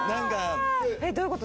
どういうこと？